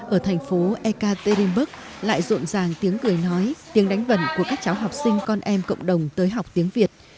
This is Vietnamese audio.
ở thành phố ekaterinburg lại rộn ràng tiếng cười nói tiếng đánh vần của các cháu học sinh con em cộng đồng tới học tiếng việt